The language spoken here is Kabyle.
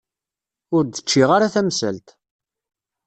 Ur d-ččiɣ ara tamsalt.